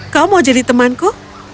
kau mau jadi temanku